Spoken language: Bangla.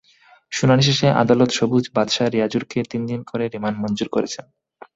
শুনানি শেষে আদালত সবুজ, বাদশা, রিয়াজুরকে তিন দিন করে রিমান্ড মঞ্জুর করেছেন।